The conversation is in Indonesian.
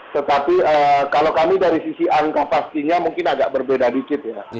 tetapi kalau kami dari sisi angka pastinya mungkin agak berbeda dikit ya